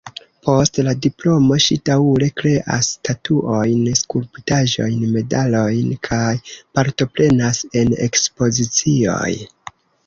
Post la diplomo ŝi daŭre kreas statuojn, skulptaĵojn, medalojn kaj partoprenas en ekspozicioj.